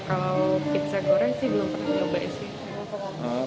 kalau pizza goreng sih belum pernah nyoba sih